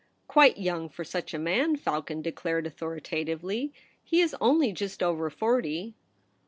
' Quite young for such a man,' Falcon de clared authoritatively. * He is only just over forty.'